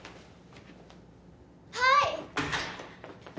はい！